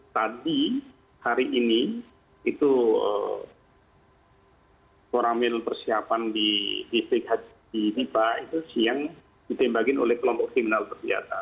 tadi hari ini itu koramil persiapan di distrik haji nipah itu siang ditembakin oleh kelompok kriminal bersenjata